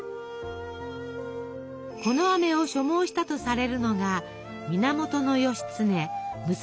このあめを所望したとされるのが源義経武蔵